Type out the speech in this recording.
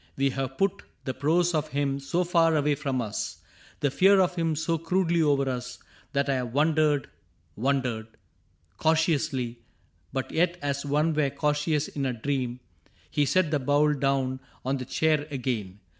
We have put The prose of him so far away from us. The fear of him so crudely over us. That I have wondered — wondered." — Cau tiously, But yet as one were cautious in a dream. He set the bowl down on the chair again.